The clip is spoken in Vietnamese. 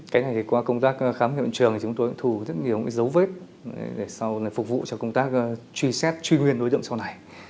cách này qua công tác khám nghiệm hiện trường chúng tôi thu rất nhiều dấu vết để phục vụ cho công tác truy xét truy nguyên đối tượng sau này